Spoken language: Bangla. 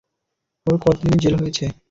ওর কতদিনের জেল হয়েছে?